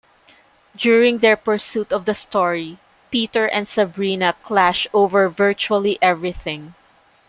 During their pursuit of the story, Peter and Sabrina clash over virtually everything.